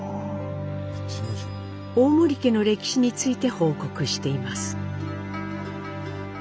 大森家の歴史について報告しています。